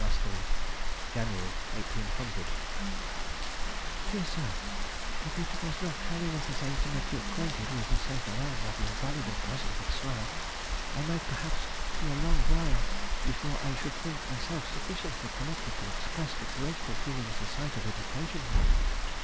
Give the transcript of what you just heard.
MASKELYNE. January, 1800. DEAR SIR, If it was not highly necessary to make you acquainted with the safe arrival of your valuable present at Slough, I might perhaps be a long while before I should think myself sufficiently collected to express the grateful feelings the sight of it occasioned me.